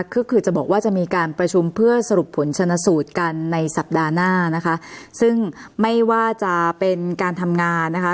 ก็คือจะบอกว่าจะมีการประชุมเพื่อสรุปผลชนสูตรกันในสัปดาห์หน้านะคะซึ่งไม่ว่าจะเป็นการทำงานนะคะ